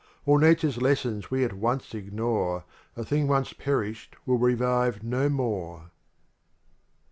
All nature's lessons we at once ignore, A thing once perished will revive no more.